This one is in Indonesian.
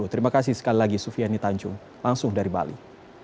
terima kasih sekali lagi sufiani tanjung langsung dari bali